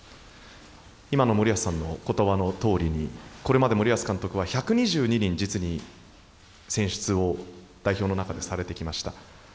今の森保さんのことばのとおりに、これまで森保監督は、１２２人、実に選出を代表の中でされてきました。